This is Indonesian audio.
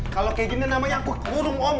kalau kayak gini namanya aku kurung om